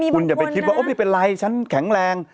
คุณอย่าไปคิดว่าไม่เป็นไรฉันแข็งแรง